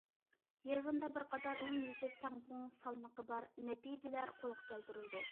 يىغىندا بىر قاتار ئومۇميۈزلۈك، تەڭپۇڭ، سالمىقى بار نەتىجىلەر قولغا كەلتۈرۈلدى.